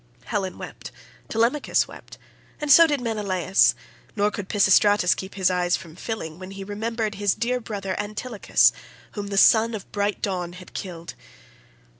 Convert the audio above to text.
Helen wept, Telemachus wept, and so did Menelaus, nor could Pisistratus keep his eyes from filling, when he remembered his dear brother Antilochus whom the son of bright Dawn had killed.